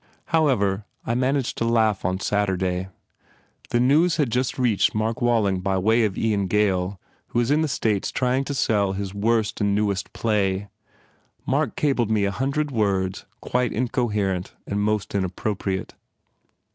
However I managed to laugh on Saturday. The news had just reached Mark Walling by way of Ian Gail who is in the States trying to sell his worst and newest play. Mark cabled me a hundred words quite incoher ent and mostly inappropriate."